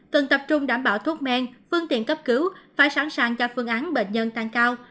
cần tập trung đảm bảo thuốc men phương tiện cấp cứu phải sẵn sàng cho phương án bệnh nhân tăng cao